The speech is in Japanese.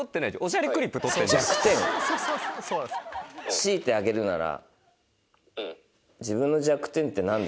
強いて挙げるなら。